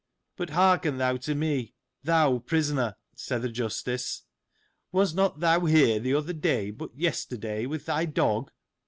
But hearken thou to me ; thou prisoner, said th' Justice. Was not thou here the other day but yesterday, with thy dog